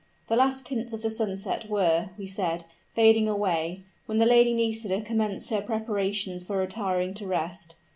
The last tints of the sunset were, we said, fading away, when the Lady Nisida commenced her preparations for retiring to rest.